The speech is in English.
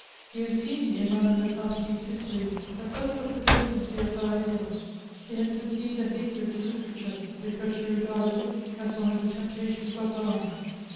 You have seen in Madame de Farcy's history that such was the tendency of her ideas ; she had conceived a hatred to literature, because she regarded it as one of the temptations of her life.